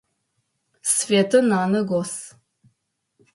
Светэ нанэ гос.